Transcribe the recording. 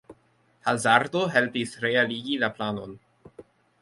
Hazardo helpis realigi la planon.